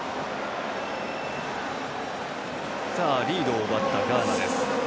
リードを奪ったガーナです。